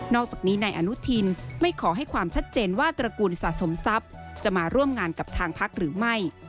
อกจากนี้นายอนุทินไม่ขอให้ความชัดเจนว่าตระกูลสะสมทรัพย์จะมาร่วมงานกับทางพักหรือไม่